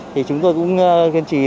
thì chúng tôi cũng kiên trì